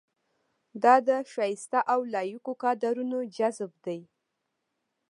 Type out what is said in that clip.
دا د شایسته او لایقو کادرونو جذب دی.